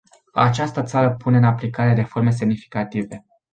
Această țară pune în aplicare reforme semnificative.